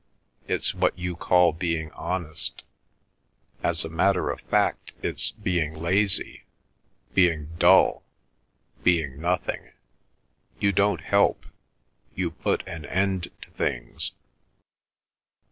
It's what you call being honest; as a matter of fact it's being lazy, being dull, being nothing. You don't help; you put an end to things."